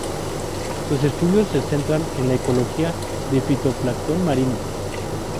Sus estudios se centran en la ecología de fitoplancton marino.